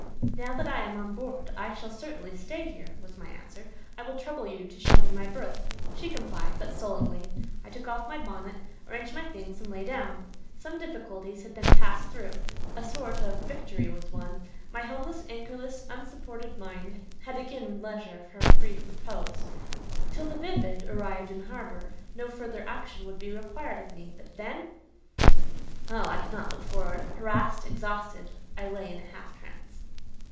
"Now that I am on board, I shall certainly stay here," was my answer. "I will trouble you to show me my berth." She complied, but sullenly. I took off my bonnet, arranged my things, and lay down. Some difficulties had been passed through; a sort of victory was won: my homeless, anchorless, unsupported mind had again leisure for a brief repose. Till the "Vivid" arrived in harbour, no further action would be required of me; but then…. Oh! I could not look forward. Harassed, exhausted, I lay in a half trance.